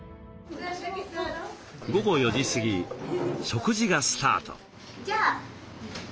午後４時すぎ食事がスタート。